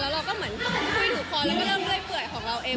แล้วเราก็เหมือนคุยถูกค้นแล้วก็เริ่มเรื่อยของเราเอง